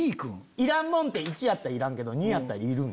いらんもんって１やったらいらんけど２やったらいるん。